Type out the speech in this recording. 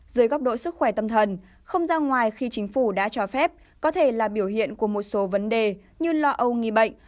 dưới góc độ sức khỏe tâm thần không ra ngoài khi chính phủ đã cho phép có thể là biểu hiện của một số vấn đề như lo âu nghi bệnh